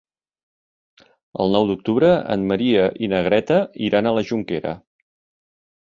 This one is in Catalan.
El nou d'octubre en Maria i na Greta iran a la Jonquera.